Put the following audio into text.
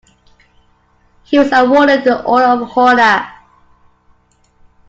He was awarded the "Order of Honour".